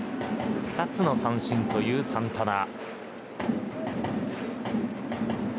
２つの三振というサンタナ。